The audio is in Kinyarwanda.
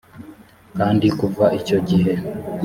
kandi kuva icyo gihe